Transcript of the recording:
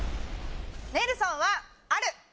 「ネルソン」はある！